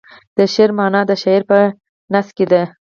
د شعر معنی د شاعر په خیټه کې ده .